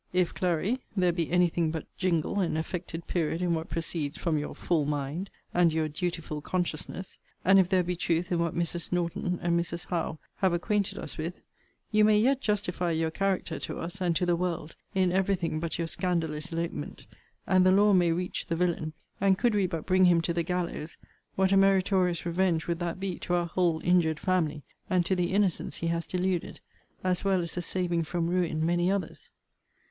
If, Clary, there be any thing but jingle and affected period in what proceeds from your full mind, and your dutiful consciousness; and if there be truth in what Mrs. Norton and Mrs. Howe have acquainted us with; you may yet justify your character to us, and to the world, in every thing but your scandalous elopement; and the law may reach the villain: and, could we but bring him to the gallows, what a meritorious revenge would that be to our whole injured family, and to the innocents he has deluded, as well as the saving from ruin many others!